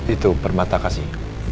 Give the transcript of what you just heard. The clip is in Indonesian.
itu permata kasih